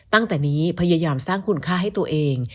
ตั้งแต่นี้พยายามสร้างคุณค่าให้ตัวเอง